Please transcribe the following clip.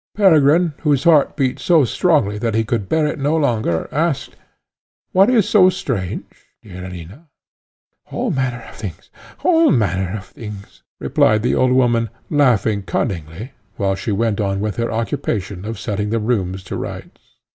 Peregrine, whose heart beat so strongly that he could bear it no longer, asked, "What is so strange, dear Alina?" "All manner of things! all manner of things!" replied the old woman, laughing cunningly, while she went on with her occupation of setting the rooms to rights.